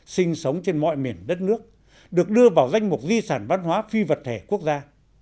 sinh sống trên mọi miền đất nước được đưa vào danh mục di sản văn hóa phi vật thể quốc gia